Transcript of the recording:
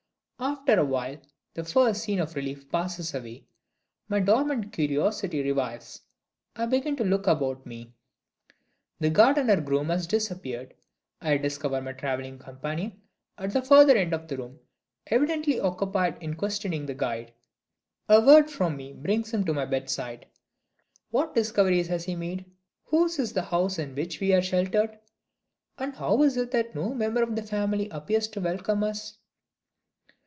After a while, the first sense of relief passes away. My dormant curiosity revives. I begin to look about me. The gardener groom has disappeared. I discover my traveling companion at the further end of the room, evidently occupied in questioning the guide. A word from me brings him to my bedside. What discoveries has he made? whose is the house in which we are sheltered; and how is it that no member of the family appears to welcome us?